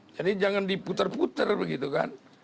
jadi jangan diputer puter begitu kan